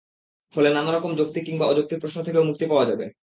ফলে নানা রকম যৌক্তিক কিংবা অযৌক্তিক প্রশ্ন থেকেও মুক্তি পাওয়া যাবে।